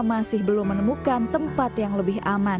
masih belum menemukan tempat yang lebih aman